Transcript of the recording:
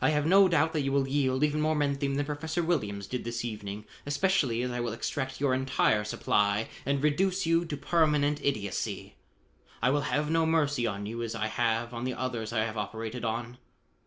I have no doubt that you will yield even more menthium than Professor Williams did this evening especially as I will extract your entire supply and reduce you to permanent idiocy. I will have no mercy on you as I have on the others I have operated on."